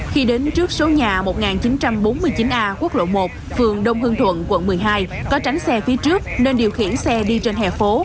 khi đến trước số nhà một nghìn chín trăm bốn mươi chín a quốc lộ một phường đông hương thuận quận một mươi hai có tránh xe phía trước nên điều khiển xe đi trên hè phố